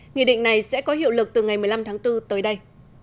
nghị định này sẽ có hiệu lực từ ngày một mươi năm tháng bốn tới đây